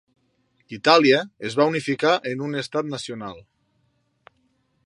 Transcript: Itàlia es va unificar en un estat nacional.